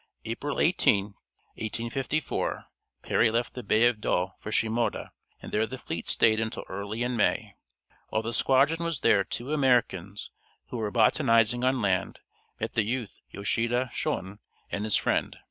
April 18, 1854, Perry left the bay of Yedo for Shimoda, and there the fleet stayed until early in May. While the squadron was there two Americans, who were botanizing on land, met the youth Yoshida Shoin and his friend.